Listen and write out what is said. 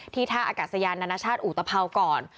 ท่าอากาศยานานาชาติอุตภัวก่อน